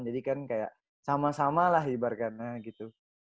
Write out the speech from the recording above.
jadi kan kayak sama sama lah ibarat karena gitu